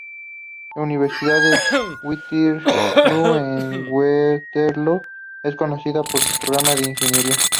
La Universidad de Waterloo, en Waterloo, es conocida por su programa de ingeniería.